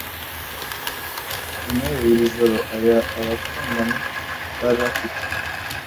intebe buri joro arira abakundana bari bafite